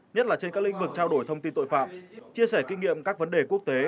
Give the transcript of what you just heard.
nhất là trên các lĩnh vực trao đổi thông tin tội phạm chia sẻ kinh nghiệm các vấn đề quốc tế